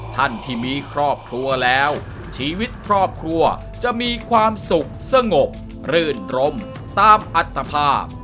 ท่านที่มีครอบครัวแล้วชีวิตครอบครัวจะมีความสุขสงบรื่นรมตามอัตภาพ